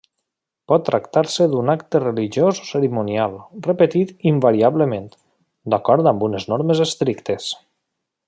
Pot tractar-se d'un acte religiós o cerimonial repetit invariablement, d'acord amb unes normes estrictes.